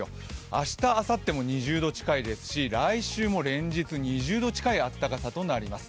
明日あさっても２０度近いですし来週も連日２０度近い暖かさとなります。